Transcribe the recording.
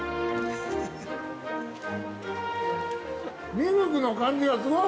◆ミルクの感じがすごい！